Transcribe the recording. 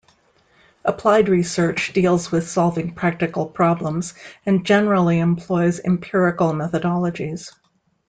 Applied research deals with solving practical problems and generally employs empirical methodologies.